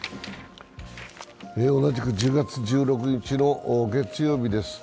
同じく１０月１６日の月曜日です。